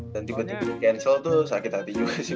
dan tiba tiba di cancel tuh sakit hati juga sih